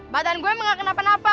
badan gua emang gak kena penapa